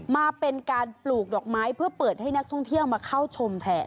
มาเป็นการปลูกดอกไม้เพื่อเปิดให้นักท่องเที่ยวมาเข้าชมแทน